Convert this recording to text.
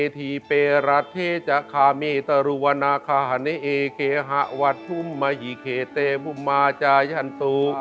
ที่เปราะเทศคาเมตรุวนาคาเนเอเกฮะวัฒน์ทุมมหิเคเตมุมมาจายันตุ